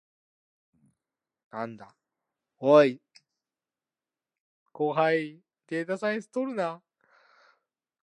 This can give the Blomberg B a similar appearance of later Blomberg M trucks.